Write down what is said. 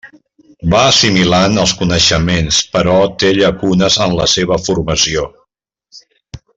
Va assimilant els coneixements però té llacunes en la seva formació.